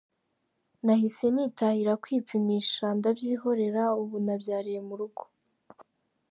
Nahise nitahira kwipimisha ndabyihorera, ubu nabyariye mu rugo”.